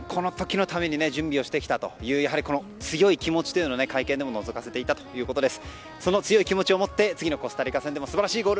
堂安選手と聞かれまして４年間この時のために準備をしてきたという強い気持ちを会見でものぞかせていたということです。